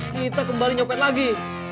kita kembali nyopet lagi